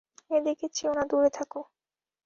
এদিকে চেয়ো না, দূরে থাকো।